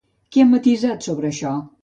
Què ha matisat sobre això?